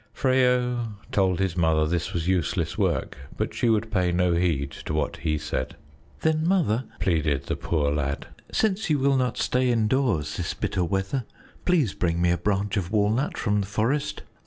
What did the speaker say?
Freyo told his mother this was useless work, but she would pay no heed to what he said. "Then, Mother," pleaded the poor lad, "since you will not stay indoors this bitter weather, please bring me a branch of walnut from the forest.